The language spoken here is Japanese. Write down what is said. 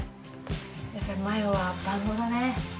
やっぱりマヨは万能だね。